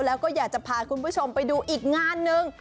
แล้วก็อยากจะพาคุณผู้ชมไปดูอีกงานหนึ่ง